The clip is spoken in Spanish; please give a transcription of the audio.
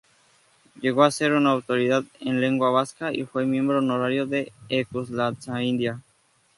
Llegó a ser una autoridad en lengua vasca, y fue miembro honorario de Euskaltzaindia.